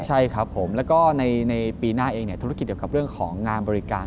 ใช่ครับผมแล้วก็ในปีหน้าเองธุรกิจเกี่ยวกับเรื่องของงานบริการ